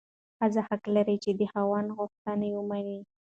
ښځه حق لري چې د خاوند غوښتنې ومني.